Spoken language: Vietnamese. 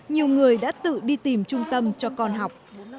nhiều người đã tự đi tìm trung tâm cho con học